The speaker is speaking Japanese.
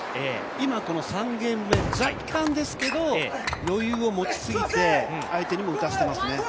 今３ゲーム目、若干ですが余裕を持ちすぎて相手にも打たせていますね。